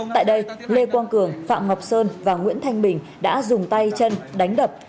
tại đây lê quang cường phạm ngọc sơn và nguyễn thanh bình đã dùng tay chân đánh đập